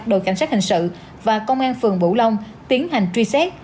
đội cảnh sát hình sự và công an phường bũ long tiến hành truy xét